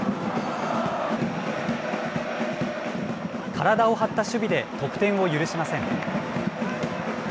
体を張った守備で得点を許しません。